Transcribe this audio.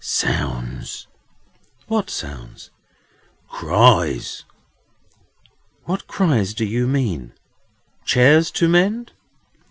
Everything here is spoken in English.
Sounds." "What sounds?" "Cries." "What cries do you mean? Chairs to mend?"